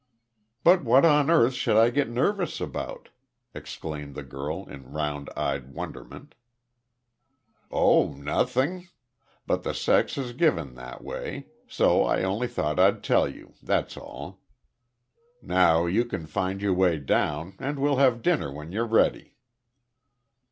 "But what on earth should I get nervous about?" exclaimed the girl, in round eyed wonderment. "Oh, nothing. But the sex is given that way, so I only thought I'd tell you, that's all. Now, you can find your way down, and we'll have dinner when you're ready."